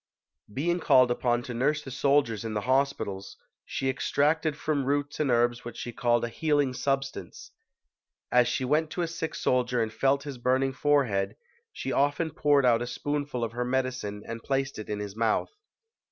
Being called upon to nurse the soldiers in the hospitals, she extracted from roots and herbs what she called a healing substance. As she went to a sick soldier and felt his burning forehead, she often poured out a spoonful of her medicine and placed it in his mouth.